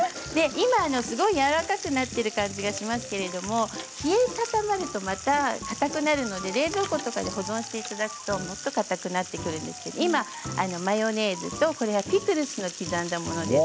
今すごくやわらかくなっている感じがしますけど冷え固まると、またかたくなるので冷蔵庫とかで保存していただくとかたくなってくるんですけど今、マヨネーズとピクルスの刻んだものです。